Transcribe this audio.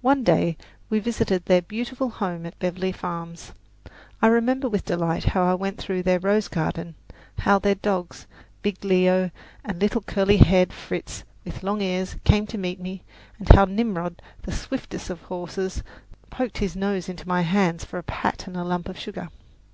One day we visited their beautiful home at Beverly Farms. I remember with delight how I went through their rose garden, how their dogs, big Leo and little curly haired Fritz with long ears, came to meet me, and how Nimrod, the swiftest of the horses, poked his nose into my hands for a pat and a lump of sugar.